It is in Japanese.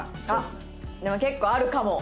でも結構あるかも。